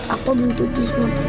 aku butuh cinta